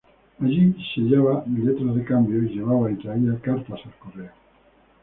Allí sellaba letras de cambio y llevaba y traía cartas al correo.